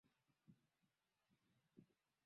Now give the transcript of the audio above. Alinipendeza mwanzo kwa kunipikia chakula kitamu